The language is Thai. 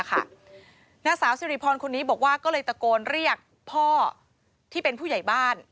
นางสาวสิริพรคนนี้บอกว่าก็เลยตะโกนเรียกพ่อที่เป็นผู้ใหญ่บ้าน